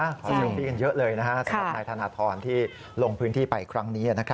ส่งผลให้กันเยอะเลยนะครับสำหรับนายธนทรที่ลงพื้นที่ไปครั้งนี้